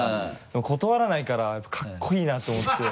でも断らないからかっこいいなと思って。